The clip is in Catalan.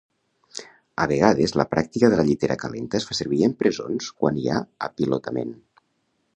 A vegades, la pràctica de la llitera calenta es fa servir en presons quan hi ha apilotament.